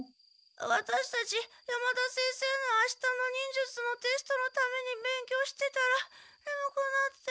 ワタシたち山田先生のあしたの忍術のテストのために勉強してたらねむくなって。